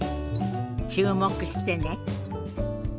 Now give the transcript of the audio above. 注目してね。